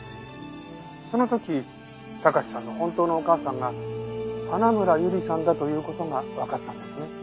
その時貴史さんの本当のお母さんが花村友梨さんだという事がわかったんですね。